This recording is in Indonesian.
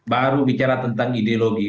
baru bicara tentang ideologi